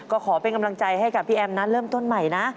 ก็ขอเป็นกำลังใจให้กับพี่แอมนั้นเริ่มต้นใหม่นะ